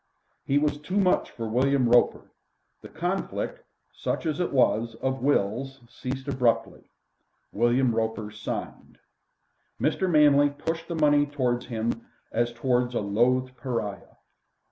He was too much for William Roper. The conflict, such as it was, of wills ceased abruptly. William Roper signed. Mr. Manley pushed the money towards him as towards a loathed pariah.